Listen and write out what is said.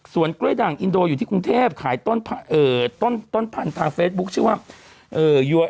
ส่วนกล้วยด่างอินโดอยู่ที่กรุงเทพขายต้นพันธุ์ทางเฟซบุ๊คชื่อว่า